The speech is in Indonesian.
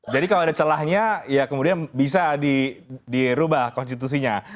jadi kalau ada celahnya ya kemudian bisa dirubah konstitusinya